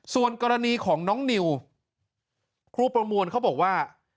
ส่วนกรณีของน้องนิวครูประมวลเขาบอกว่า